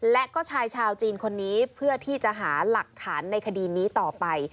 และก็ชายชาวจีนคนนี้เพื่อที่จะหาหลักฐานในคดีนี้ต่อไป